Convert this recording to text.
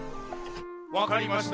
わかりました。